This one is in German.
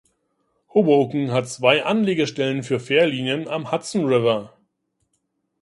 Hoboken hat zwei Anlegestellen für Fährlinien am Hudson River.